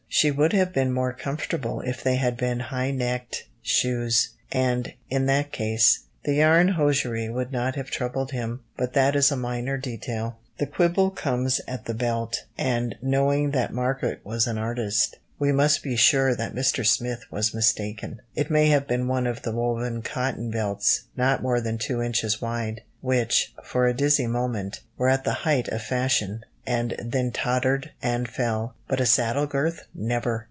She would have been more comfortable if they had been "high necked" shoes, and, in that case, the yarn hosiery would not have troubled him, but that is a minor detail. The quibble comes at the belt, and knowing that Margaret was an artist, we must be sure that Mr. Smith was mistaken. It may have been one of the woven cotton belts, not more than two inches wide, which, for a dizzy moment, were at the height of fashion, and then tottered and fell, but a "saddle girth" never!